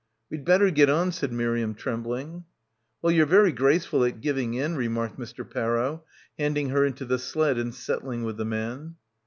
"We'd better get on," said Miriam trembling. "Well, you're very graceful at giving in," re marked Mr. Parrow, handing her into the sled and settling with the man.